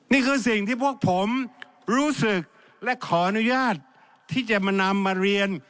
นี่คือสิ่งที่พวกผมรู้สึกและขออนุญาตที่จะมานำมาเรียน